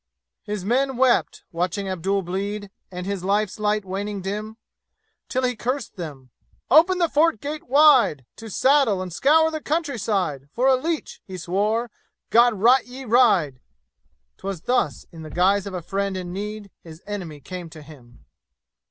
His men wept, watching Abdul bleed And life's light waning dim, Till he cursed them. "Open the fort gate wide! To saddle, and scour the countryside For a leech!" he swore. "God rot ye, ride!" 'Twas thus, in the guise of a friend in need, His enemy came to him.